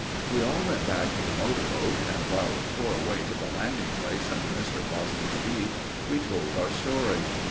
We all went back to the motor boat, and while it tore away to the landing place under Mr. Foster's beach, we told our story.